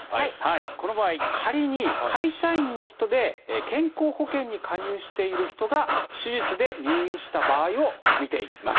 この場合仮に会社員の人で健康保険に加入している人が手術で入院した場合を見ていきます。